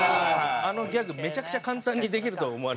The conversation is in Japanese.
あのギャグめちゃくちゃ簡単にできると思われてて。